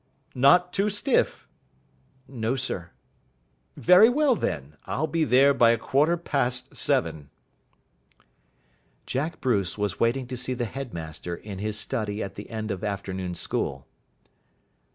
"Not too stiff?" "No, sir." "Very well, then. I'll be there by a quarter past seven." Jack Bruce was waiting to see the headmaster in his study at the end of afternoon school.